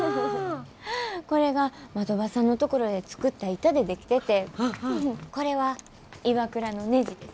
これが的場さんのところで作った板で出来ててこれはＩＷＡＫＵＲＡのねじです。